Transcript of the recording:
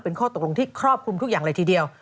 เป็นข้อตกลงที่ครอบคลุมทุกอย่างเลยทีเดียว